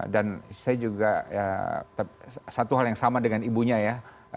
dan saya juga satu hal yang sama dengan ibunya ya